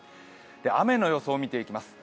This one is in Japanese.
雨の予想を見ていきます。